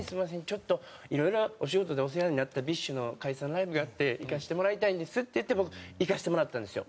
ちょっといろいろお仕事でお世話になったＢｉＳＨの解散ライブがあって行かせてもらいたいんです」って言って僕行かせてもらったんですよ。